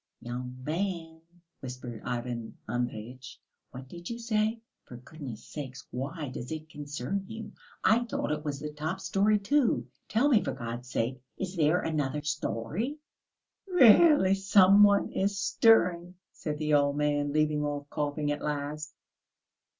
"Young man," whispered Ivan Andreyitch, "what did you say? For goodness' sake why does it concern you? I thought it was the top storey too. Tell me, for God's sake, is there another storey?" "Really some one is stirring," said the old man, leaving off coughing at last.